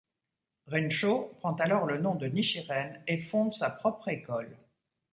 Renchō prend alors le nom de Nichiren et fonde sa propre école.